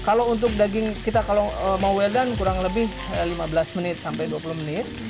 kalau untuk daging kita kalau mau wedan kurang lebih lima belas menit sampai dua puluh menit